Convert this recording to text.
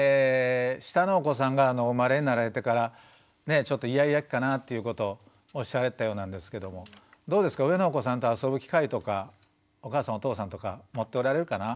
下のお子さんがお生まれになられてからちょっとイヤイヤ期かなっていうことをおっしゃられてたようなんですけどもどうですか上のお子さんと遊ぶ機会とかお母さんお父さんとか持っておられるかな？